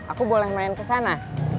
aku boleh main kesana